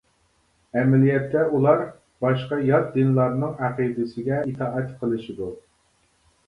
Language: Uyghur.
ئەمەلىيەتتە ئۇلار باشقا يات دىنلارنىڭ ئەقىدىسىگە ئىتائەت قىلىشىدۇ.